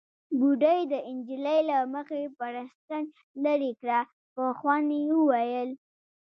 بوډۍ د نجلۍ له مخې بړستن ليرې کړه، په خوند يې وويل: